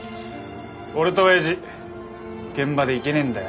俺とおやじ現場で行けねえんだよ